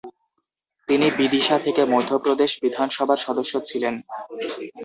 তিনি বিদিশা থেকে মধ্য প্রদেশ বিধানসভার সদস্য ছিলেন।